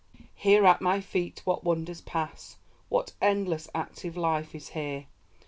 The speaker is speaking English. Here at my feet what wonders pass, What endless, active life is here!